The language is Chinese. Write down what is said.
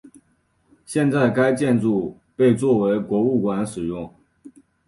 现在该建筑被作为博物馆使用。